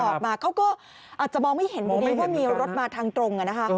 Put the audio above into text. ออกมาเขาก็อาจจะมองไม่เห็นพอดีว่ามีรถมาทางตรงนะคะ